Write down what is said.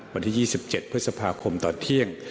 วันที่๒๗พฤษภาคมตอนเที่ยง